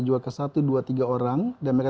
juga ke satu dua tiga orang dan mereka